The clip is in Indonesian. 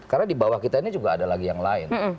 karena di bawah kita ini juga ada lagi yang lain